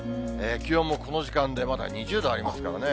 気温もこの時間で、まだ２０度ありますからね。